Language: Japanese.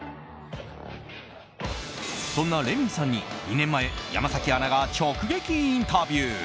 そんなレミイさんに２年前山崎アナが直撃インタビュー！